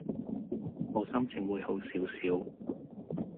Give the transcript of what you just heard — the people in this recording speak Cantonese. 我心情會好少少